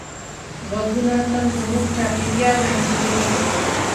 غږونه تل زموږ چاپېریال رنګینوي.